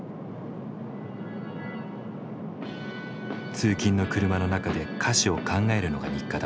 通勤の車の中で歌詞を考えるのが日課だ。